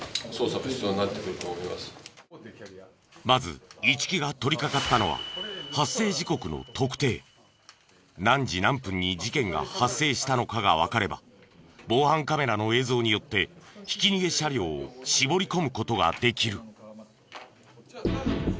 まず一木が取りかかったのは何時何分に事件が発生したのかがわかれば防犯カメラの映像によってひき逃げ車両を絞り込む事ができる。